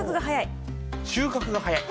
「収穫が早い」。